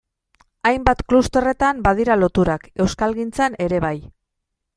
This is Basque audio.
Hainbat klusterretan badira loturak, euskalgintzan ere bai...